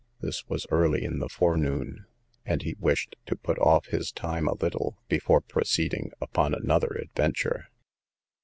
This was early in the forenoon, and he wished to put off his time a little, before proceeding upon another adventure.